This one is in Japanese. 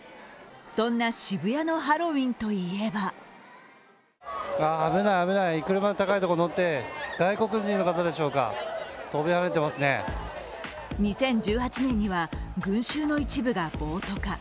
そんな渋谷のハロウィーンといえば２０１８年には群衆の一部が暴徒化。